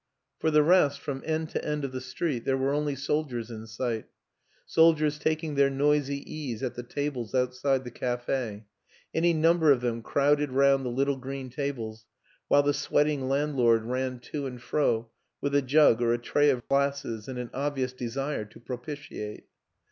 For the rest, from end to end of the street there were only soldiers in sight. Soldiers taking their noisy ease at the tables outside the cafe any number of them crowded round the little green tables while the sweating landlord ran to and fro with a jug or a tray of glasses and an obvious de sire to propitiate.